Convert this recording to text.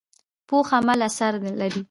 پوخ عمل اثر لري